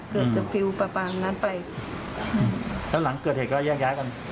อืมเกิดจะฟิวป่าป่านั้นไปอืมแล้วหลังเกิดเหตุก็แยกย้ายกัน